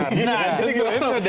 nah jadi gitu